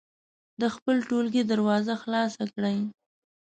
د خپل ټولګي دروازه خلاصه کړئ.